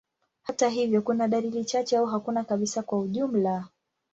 Hata hivyo, kuna dalili chache au hakuna kabisa kwa ujumla.